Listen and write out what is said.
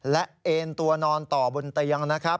และเอ็นตัวนอนต่อบนเตียงนะครับ